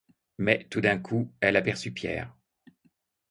Mais, tout d'un coup, elle aperçut Pierre.